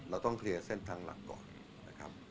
เราต้องเคลียร์เส้นทางหลักก่อน